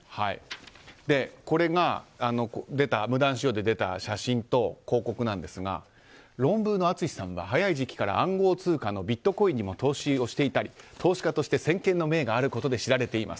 これが、無断使用で出た写真と広告ですがロンブーの淳さんが早い時期から暗号通貨に投資をしていたり、投資家として先見の明があることで知られています。